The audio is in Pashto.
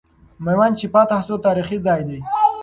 میوند چې فتح سو، تاریخي ځای دی.